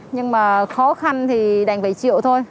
nhưng mà khó khăn thì đành bảy triệu thôi